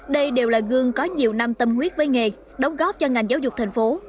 đây đều là gương có nhiều năm tâm huyết với nghề đóng góp cho ngành giáo dục thành phố